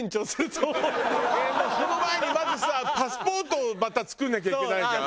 もうその前にまずさパスポートをまた作んなきゃいけないじゃん？